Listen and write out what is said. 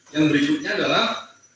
yang berikutnya adalah